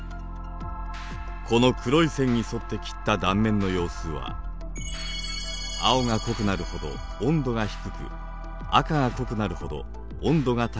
この黒い線に沿って切った断面の様子は青が濃くなるほど温度が低く赤が濃くなるほど温度が高いところです。